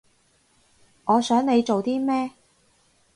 我想你做啲咩